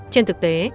trên thực tế